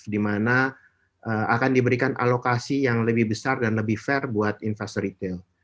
di mana akan diberikan alokasi yang lebih besar dan lebih fair buat investor retail